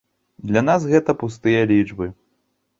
Для нас гэта пустыя лічбы.